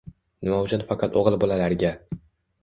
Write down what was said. Nima uchun faqat o‘g‘il bolalarga?